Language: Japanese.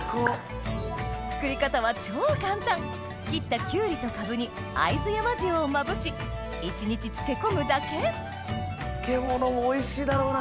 作り方は超簡単切ったキュウリとカブに会津山塩をまぶし一日漬け込むだけ漬物もおいしいだろうな。